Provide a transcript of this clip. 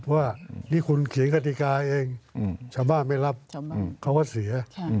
เพราะว่านี่คุณเขียนกฎิกาเองชาวบ้านไม่รับเขาก็เสีย